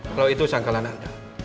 kalau itu sangkalan anda